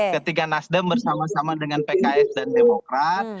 ketika nasdem bersama sama dengan pks dan demokrat